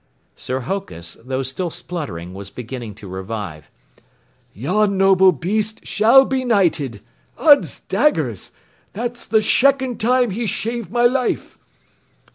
Sir Hokus, though still spluttering, was beginning to revive. "Yon noble bheast shall be knighted. Uds daggers! That's the shecond time he's shaved my life!"